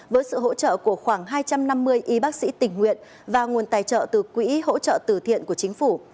với sự hỗ trợ của khoảng hai trăm năm mươi y bác sĩ tình nguyện và nguồn tài trợ từ quỹ hỗ trợ từ thiện của chính phủ